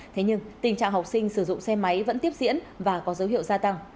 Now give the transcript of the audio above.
thế nhưng tình trạng học sinh sử dụng xe máy vẫn tiếp diễn và có dấu hiệu gia tăng